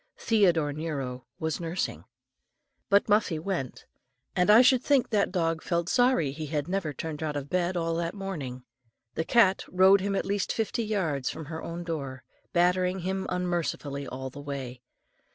Theodore Nero was nursing. But Muffie went, and I should think that dog felt sorry he had ever turned out of bed at all that morning. The cat rode him at least fifty yards from her own door, battering him unmercifully all the way.